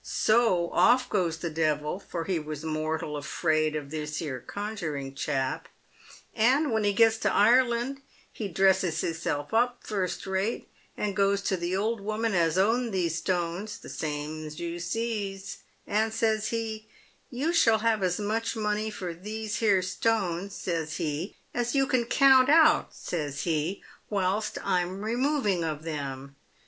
So off goes the devil — for he was mortal afraid of this here conjuring chap — and, when he gets to Ireland, he dresses hisself up first rate, and goes to the old woman as owned these stones — the same as you sees — and says he, f You shall have as much money for these here stones,' says he, ' as you can count out,' says he, ' whilst I'm removing of them.'